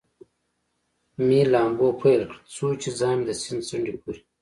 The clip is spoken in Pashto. مې لامبو پیل کړ، څو چې ځان مې د سیند څنډې پورې.